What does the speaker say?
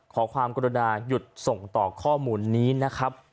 ขอความกรุณาหยุดส่งต่อข้อมูลนี้นะครับ